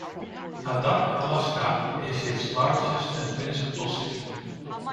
Adak, Alaska, is its largest and principal city.